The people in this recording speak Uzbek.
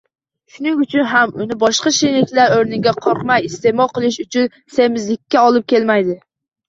Shuning uchun ham uni boshqa shirinliklar oʻrniga qoʻrqmay isteʼmol qilish mumkin, semizlikka olib kelmaydi.